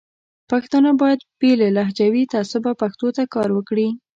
پښتانه باید بې له لهجوي تعصبه پښتو ته کار وکړي.